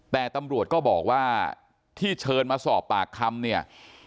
แต่ตำรวจก็บอกว่าที่เชิญมาสอบปากคำเนี่ย